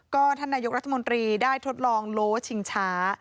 ก็ท่านนายกรัฐมนตรีได้ทดลองโลชิงช้า